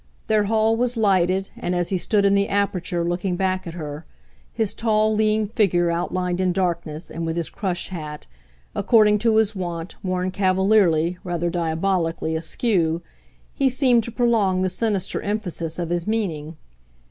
Their hall was lighted, and as he stood in the aperture looking back at her, his tall lean figure outlined in darkness and with his crush hat, according to his wont, worn cavalierly, rather diabolically, askew, he seemed to prolong the sinister emphasis of his meaning.